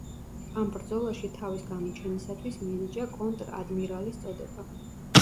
ამ ბრძოლაში თავის გამოჩენისათვის მიენიჭა კონტრ-ადმირალის წოდება.